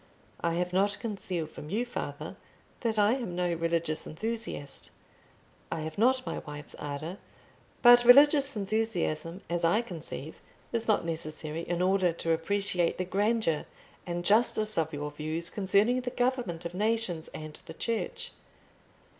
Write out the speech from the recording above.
I have not concealed from you, father, that I am no religious enthusiast; I have not my wife's ardour; but religious enthusiasm, as I conceive, is not necessary in order to appreciate the grandeur and justice of your views concerning the government of nations and the Church.